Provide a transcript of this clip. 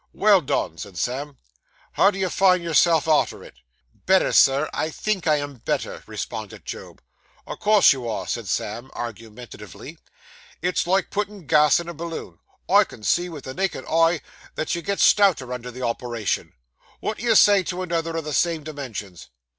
'Well done!' said Sam. 'How do you find yourself arter it?' 'Better, Sir. I think I am better,' responded Job. 'O' course you air,' said Sam argumentatively. 'It's like puttin' gas in a balloon. I can see with the naked eye that you gets stouter under the operation. Wot do you say to another o' the same dimensions?